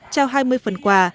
trao hai mươi phần quà